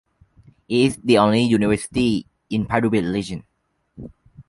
It is the only university in Pardubice Region.